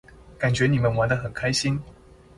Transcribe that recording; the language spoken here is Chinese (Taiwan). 感覺你們玩得很開心